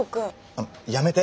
あのやめて。